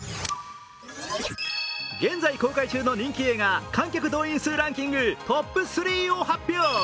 現在公開中の人気映画、観客動員数ランキングトップ３を発表！